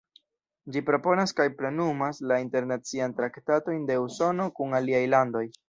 Ĝi proponas kaj plenumas la internacian traktatojn de Usono kun aliaj landoj.